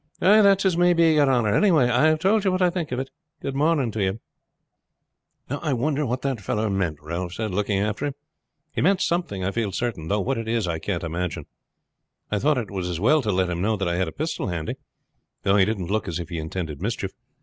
"That's as it may be, yer honor. Anyhow I have told you what I think of it. Good morning to you." "I wonder what that fellow meant," Ralph said, looking after him. "He meant something, I feel certain, though what it is I can't imagine. I thought it was as well to let him know that I had a pistol handy, though he didn't look as if he intended mischief.